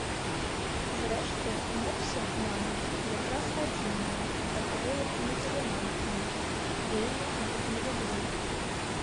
Зрэшты, мопсы, мабыць, якраз адзіныя, да каго я не талерантны, вельмі іх не люблю.